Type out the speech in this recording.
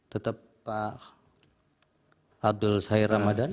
tetap pak abdul sair ramadan